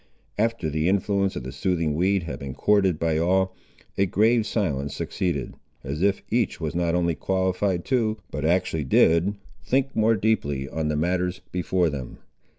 After the influence of the soothing weed had been courted by all, a grave silence succeeded, as if each was not only qualified to, but actually did, think more deeply on the matters before them.